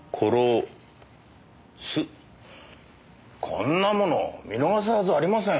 こんなもの見逃すはずありません。